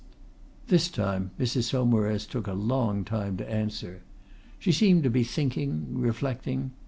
This time Mrs. Saumarez took a long time to answer. She seemed to be thinking, reflecting.